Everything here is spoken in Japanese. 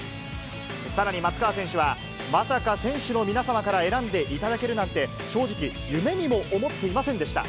さらに松川選手は、まさか選手の皆様から選んでいただけるなんて、正直、夢にも思っていませんでした。